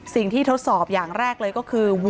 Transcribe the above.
สิ่งที่ทดสอบอย่างแรกเลยก็คือ